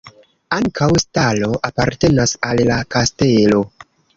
Ankaŭ stalo apartenas al la kastelo.